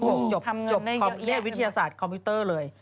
จบเรียกวิทยาศาสตร์คอมพิวเตอร์เลย